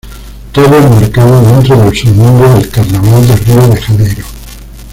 Todo enmarcado dentro del submundo del carnaval de Río de Janeiro.